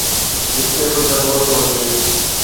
جتي به ضرورت هجي